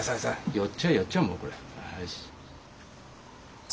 寄っちゃう寄っちゃうもうこれ。